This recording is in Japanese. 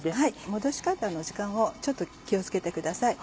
戻し方の時間をちょっと気を付けてください。